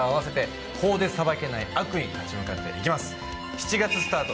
７月スタート